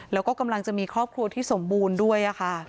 แล้วก็กำลังจะมีครอบครัวที่สมบูรณ์ด้วยค่ะ